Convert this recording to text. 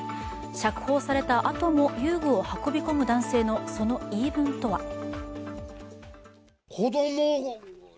釈放されたあとも遊具を運び込む男性の、その言い分とは。